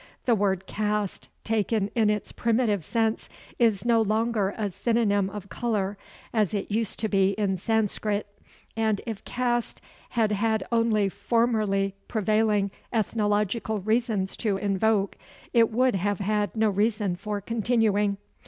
The word caste, taken in its primitive sense, is no longer a synonym of color, as it used to be in Sanscrit, and, if caste had had only formerly prevailing ethnological reasons to invoke, it would have had no reason for continuing.